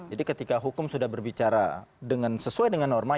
jadi ketika hukum sudah berbicara sesuai dengan norma